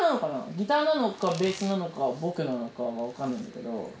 ギターなのかベースなのか僕なのかは分かんないんだけど。